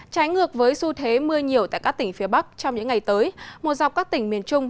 trái ngược với xu thế mưa nhiều tại các tỉnh phía bắc trong những ngày tới một dọc các tỉnh miền trung